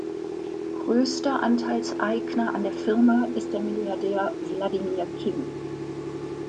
Größter Anteilseigner an der Firma ist der Milliardär Wladimir Kim.